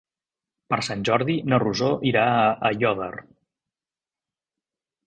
Per Sant Jordi na Rosó irà a Aiòder.